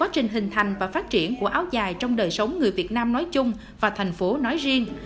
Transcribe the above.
trình hình thành và phát triển của áo dài trong đời sống người việt nam nói chung và thành phố nói riêng